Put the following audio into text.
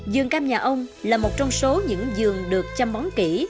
dường cam nhà ông là một trong số những dường được chăm bóng kỹ